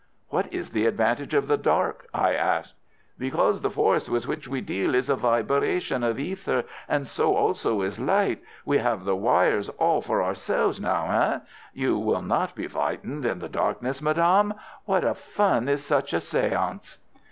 "What is the advantage of the dark?" I asked. "Because the force with which we deal is a vibration of ether and so also is light. We have the wires all for ourselves now—hein? You will not be frightened in the darkness, madame? What a fun is such a séance!"